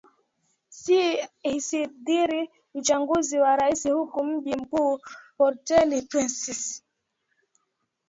ili isiadhiri uchaguzi wa rais huku mji mkuu portal prince